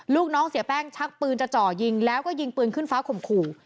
ลูกน้องเสียแป้งชักปืนจะเจาะยิงแล้วก็ยิงปืนขึ้นฟ้าข่มขู่